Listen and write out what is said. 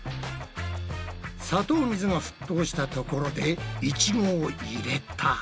砂糖水が沸騰したところでイチゴを入れた。